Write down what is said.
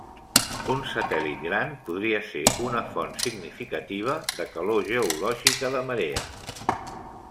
Un satèl·lit gran podria ser una font significativa de calor geològica de marea.